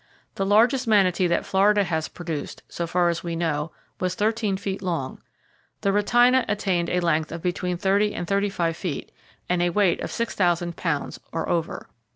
The largest manatee that Florida has produced, so far as we know, was thirteen feet long. The rhytina attained a length of between thirty and thirty five feet, and a weight of 6,000 pounds or over.